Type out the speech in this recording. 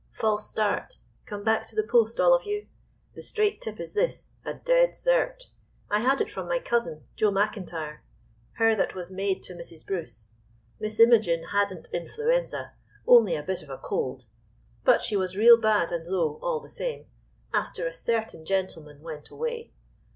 False start; come back to the post, all of you! The straight tip is this—'a dead cert.' I had it from my cousin, Joe Macintyre, her that was maid to Mrs. Bruce. Miss Imogen hadn't influenza—only a bit of a cold; but she was real bad and low, all the same, after a certain gentleman went away.